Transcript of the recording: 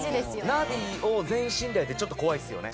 ナビを全信頼ってちょっと怖いですよね。